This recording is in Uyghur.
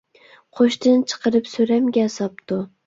قوشتىن چىقىرىپ سۆرەمگە ساپتۇ.